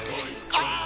ああ！